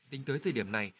tính tới thời điểm này